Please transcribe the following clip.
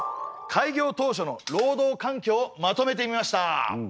開業当初の労働環境をまとめてみました！